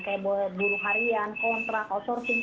kayak buat buruh harian kontrak outsourcing